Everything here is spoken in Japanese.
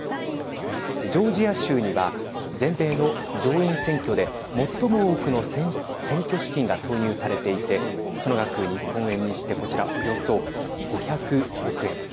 ジョージア州には全米の上院選挙で最も多くの選挙資金が投入されていてその額日本円にして、こちらおよそ５００億円。